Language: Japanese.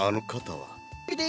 はい。